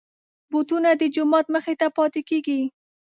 بوټونه د جومات مخې ته پاتې کېږي.